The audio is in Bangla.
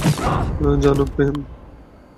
জানো, প্রেম?